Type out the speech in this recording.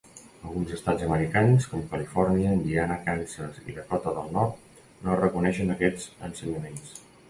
Alguns estats americans com Califòrnia, Indiana, Kansas i Dakota del Nord no reconeixen aquests ensenyaments.